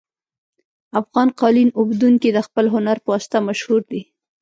افغان قالین اوبدونکي د خپل هنر په واسطه مشهور دي